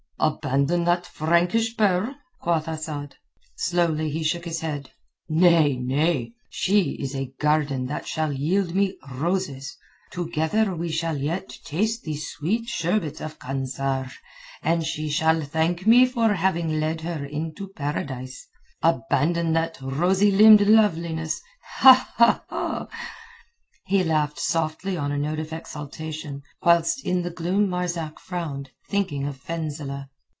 "Abandon that Frankish pearl?" quoth Asad. Slowly he shook his head. "Nay, nay! She is a garden that shall yield me roses. Together we shall yet taste the sweet sherbet of Kansar, and she shall thank me for having led her into Paradise. Abandon that rosy limbed loveliness!" He laughed softly on a note of exaltation, whilst in the gloom Marzak frowned, thinking of Fenzileh.